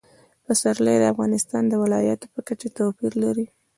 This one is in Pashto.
پسرلی د افغانستان د ولایاتو په کچه توپیر لري.